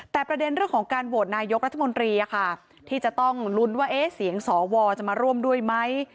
แต่ประเด็นเรื่องของการโหวตนายกรัฐมนตรีที่จะต้องลุ้นว่าเสียงสวจะมาร่วมด้วยไหม